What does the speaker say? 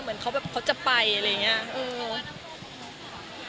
เหมือนเขาจะไปอะไรอย่างนี้